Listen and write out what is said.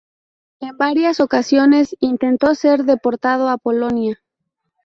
En varias ocasiones intentó ser deportado a Polonia.